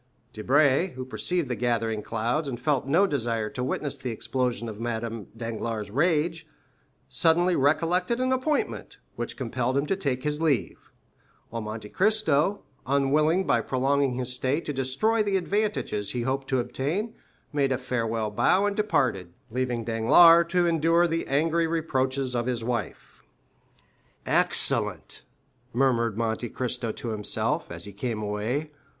Debray, who perceived the gathering clouds, and felt no desire to witness the explosion of Madame Danglars' rage, suddenly recollected an appointment, which compelled him to take his leave; while Monte Cristo, unwilling by prolonging his stay to destroy the advantages he hoped to obtain, made a farewell bow and departed, leaving Danglars to endure the angry reproaches of his wife. 20347m "Excellent," murmured Monte Cristo to himself, as he came away.